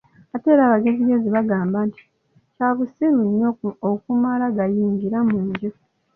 Ate era abagezigezi bagamba nti, kya busiriu nnyo okumala gayingira mu nju.